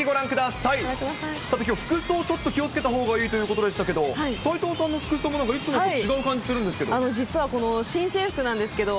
さてきょう、服装ちょっと気をつけたほうがいいということでしたけれども、齊藤さんの服装もなんかいつもと違う感じするんですけど。